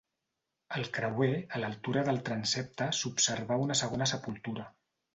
Al creuer, a l'altura del transsepte s'observà una segona sepultura.